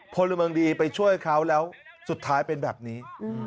พลเมืองดีไปช่วยเขาแล้วสุดท้ายเป็นแบบนี้